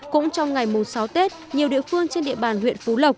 cũng trong ngày mùng sáu tết nhiều địa phương trên địa bàn huyện phú lộc